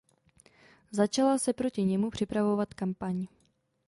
Začala se proti němu připravovat kampaň.